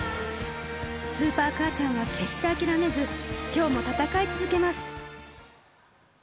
スーパー母ちゃんは決して諦めず、きょうも戦い続けます。